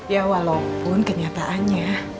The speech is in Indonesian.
ya walaupun kenyataannya